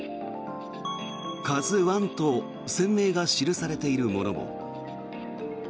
「ＫＡＺＵ１」と船名が記されているものも。